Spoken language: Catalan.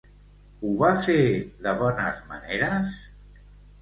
Ho va fer de bones maneres?